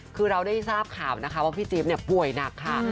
คือเราได้ทราบข่าวนะคะว่าพี่จิ๊บป่วยหนักค่ะ